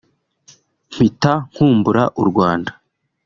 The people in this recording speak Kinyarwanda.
mpita nkumbura u Rwanda